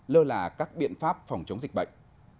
lơ là các biện pháp phòng chống dịch bệnh